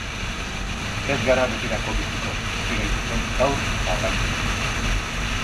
Ez gara betirako biziko, bizi gaitezen gaur eta orain.